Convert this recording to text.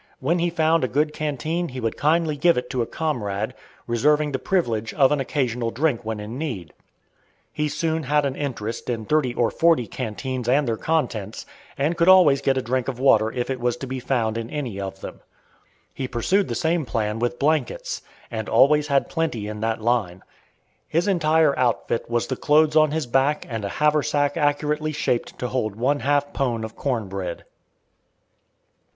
When he found a good canteen he would kindly give it to a comrade, reserving the privilege of an occasional drink when in need. He soon had an interest in thirty or forty canteens and their contents, and could always get a drink of water if it was to be found in any of them. He pursued the same plan with blankets, and always had plenty in that line. His entire outfit was the clothes on his back and a haversack accurately shaped to hold one half pone of corn bread.